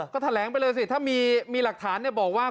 ก็แถลงไปเลยสิถ้ามีหลักฐานบอกว่า